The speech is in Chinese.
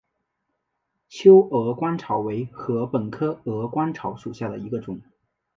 秋鹅观草为禾本科鹅观草属下的一个种。